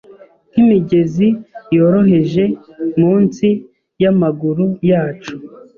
Nkimigezi yoroheje munsi yamaguru yacu